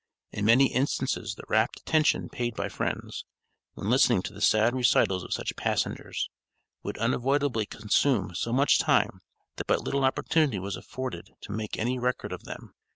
In many instances the rapt attention paid by friends, when listening to the sad recitals of such passengers, would unavoidably consume so much time that but little opportunity was afforded to make any record of them.